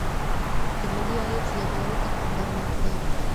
د ملي عايد زياتوالي ته پاملرنه وکړئ.